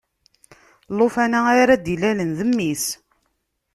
Lufan-a ara d-ilalen d mmi-s.